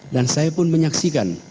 dan saya pun menyaksikan